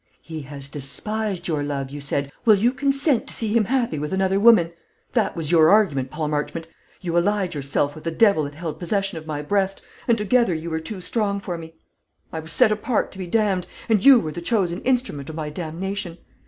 'He has despised your love,' you said: 'will you consent to see him happy with another woman?' That was your argument, Paul Marchmont. You allied yourself with the devil that held possession of my breast, and together you were too strong for me. I was set apart to be damned, and you were the chosen instrument of my damnation.